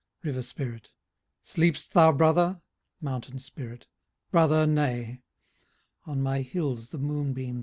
RIVBR SPIRIT. " Sleep'st thou, brother .»"— MOUNTAIN SPIRIT. —^ Brother, nay — On my hills the moon beams play.